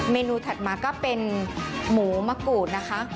นูถัดมาก็เป็นหมูมะกรูดนะคะ